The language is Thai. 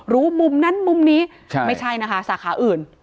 มุมนั้นมุมนี้ไม่ใช่นะคะสาขาอื่น